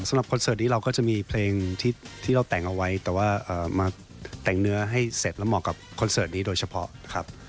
คอนเสิร์ตนี้เราก็จะมีเพลงที่เราแต่งเอาไว้แต่ว่ามาแต่งเนื้อให้เสร็จแล้วเหมาะกับคอนเสิร์ตนี้โดยเฉพาะครับ